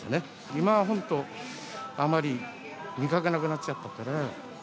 今は本当、あまり見かけなくなっちゃったから。